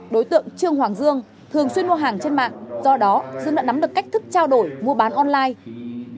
đối tượng trương hoàng dương thường xuyên mua hàng trên mạng do đó dưng đã nắm được cách thức trao đổi mua bán online